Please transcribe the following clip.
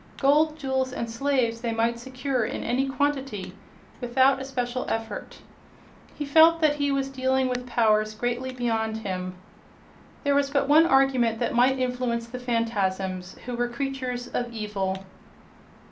Gold, jewels and slaves they might secure in any quantity without especial effort. He felt that he was dealing with powers greatly beyond him. There was but one argument that might influence the Phanfasms, who were creatures of evil.